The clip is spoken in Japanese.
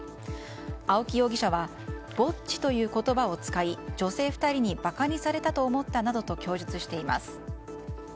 青木容疑者はぼっちという言葉を使い女性２人に馬鹿にされたと思ったなどと供述しています。